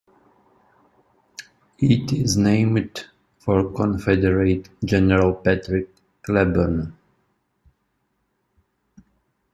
It is named for Confederate General Patrick Cleburne.